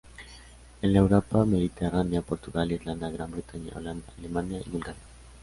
En la Europa mediterránea, Portugal, Irlanda, Gran Bretaña, Holanda, Alemania y Bulgaria.